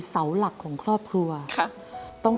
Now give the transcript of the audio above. ทำงานชื่อนางหยาดฝนภูมิสุขอายุ๕๔ปี